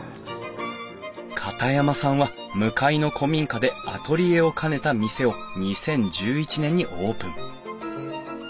片山さんは向かいの古民家でアトリエを兼ねた店を２０１１年にオープン。